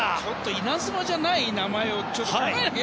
イナズマじゃない名前を考えなきゃ。